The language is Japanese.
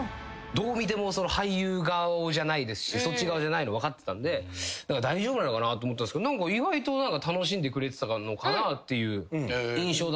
どう見ても俳優顔じゃないですしそっち側じゃないの分かってたんで大丈夫なのかなと思ったんすけど意外と楽しんでくれてたのかなっていう印象だったんすけど。